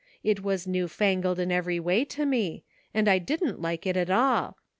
It was new fangled in every way to me, and I didn't like it at all.